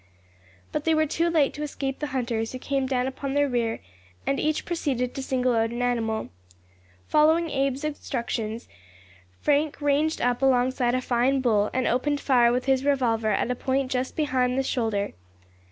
But they were too late to escape the hunters, who came down upon their rear, and each proceeded to single out an animal. Following Abe's instructions, Frank ranged up alongside a fine bull, and opened fire with his revolver at a point just behind the shoulder.